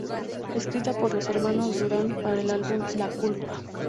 Escrita por los hermanos Durán, para el álbum "La Culpa".